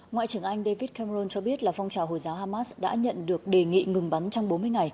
ngoại trưởng anh david cameron cho biết là phong trào hồi giáo hamas đã nhận được đề nghị ngừng bắn